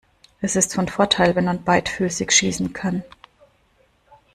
Es ist von Vorteil wenn man beidfüßig schießen kann.